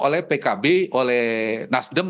oleh pkb oleh nasdem